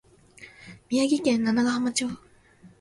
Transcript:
宮城県七ヶ浜町